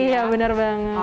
iya benar banget